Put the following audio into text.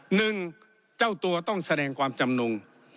หนึ่งเจ้าตัวต้องแสดงความจำนง